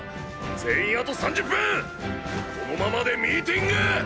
全員あと３０分このままでミーティング！